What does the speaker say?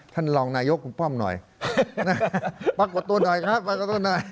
ท่านรองนายกคุณป้อมหน่อยปรากฏตัวหน่อยครับปรากฏตัวหน่อย